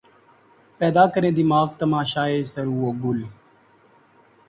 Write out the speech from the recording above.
پیدا کریں دماغ تماشائے سَرو و گل